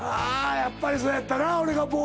やっぱりそうやったな